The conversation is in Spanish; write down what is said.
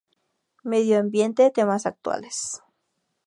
Medio ambiente– temas actuales:.